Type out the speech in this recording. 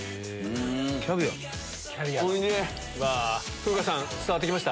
風花さん伝わって来ました？